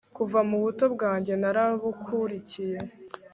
kuva mu buto bwanjye narabukurikiye